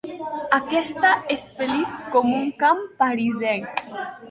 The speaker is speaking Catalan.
Aquesta és feliç com un camp parisenc.